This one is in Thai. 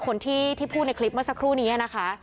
คนที่พูดในคลิปเมื่อสักครู่นี้นะคะ